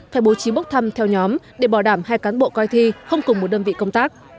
phải bố trí bốc thăm theo nhóm để bỏ đảm hai cán bộ coi thi không cùng một đơn vị công tác